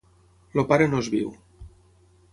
El pare no és viu.